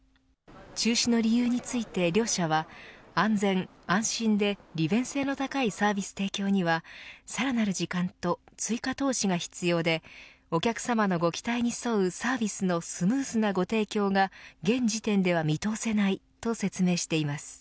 中止の理由について両社は安全、安心で利便性の高いサービス提供にはさらなる時間と追加投資が必要でお客様のご期待に沿うサービスのスムーズなご提供が現時点では見通せないと説明しています。